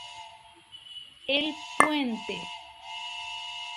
El puente.